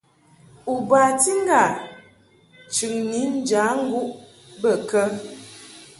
U bati ŋgâ chɨŋni njaŋguʼ bə kə ?